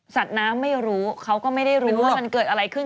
น้ำไม่รู้เขาก็ไม่ได้รู้ว่ามันเกิดอะไรขึ้น